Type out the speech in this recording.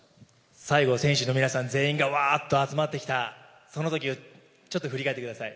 最後、選手の皆さん全員がわーっと集まってきた、そのときちょっと振り返ってください。